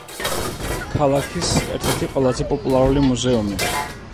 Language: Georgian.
ქალაქის ერთ-ერთი ყველაზე პოპულარული მუზეუმი.